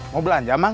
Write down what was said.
mau belanja mang